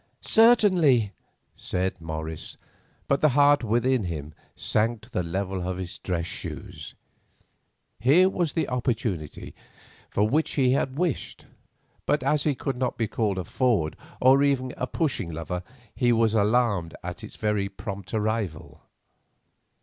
"Certainly," said Morris, but the heart within him sank to the level of his dress shoes. Here was the opportunity for which he had wished, but as he could not be called a forward, or even a pushing lover, he was alarmed at its very prompt arrival.